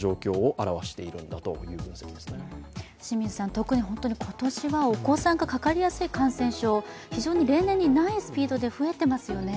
特に本当に今年はお子さんがかかりやすい感染症、非常に例年にないスピードで増えていますよね。